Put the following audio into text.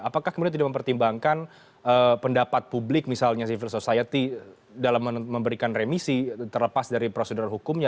apakah kemudian tidak mempertimbangkan pendapat publik misalnya civil society dalam memberikan remisi terlepas dari prosedur hukumnya